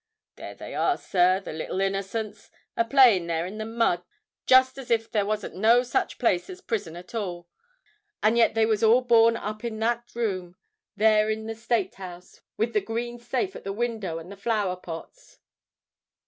There they are, sir—the little innocents—a playing there in the mud, just as if there wasn't no such place as prison at all; and yet they was all born up in that room there in the State House, with the green safe at the window and the flower pots."